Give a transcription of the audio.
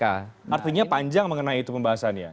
artinya panjang mengenai itu pembahasannya